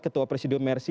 ketua presidium mercy